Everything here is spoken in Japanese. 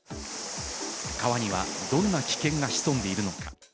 川にはどんな危険が潜んでいるのか？